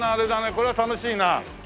これは楽しいな！